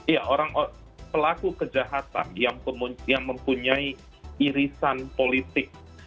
ya orang pelaku kejahatan yang mempunyai irisan politik